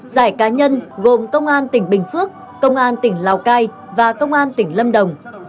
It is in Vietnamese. giải cá nhân gồm công an tỉnh bình phước công an tỉnh lào cai và công an tỉnh lâm đồng